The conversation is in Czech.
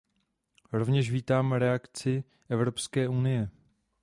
Rovněž vítám reakci Evropské unie.